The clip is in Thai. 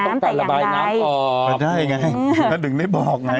เขาต้องการระบายน้ำออกไม่ได้ไงนั่นหนึ่งได้บอกไง